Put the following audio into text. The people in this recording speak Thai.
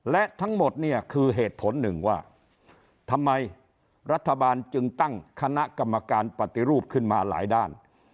และทั้งหมดเนี่ยคือเหตุผลหนึ่งว่าทำไมรัฐบาลจึงตั้งคณะกรรมการปฏิรูปขึ้นมาหลายด้าน